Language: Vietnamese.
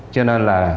cho nên là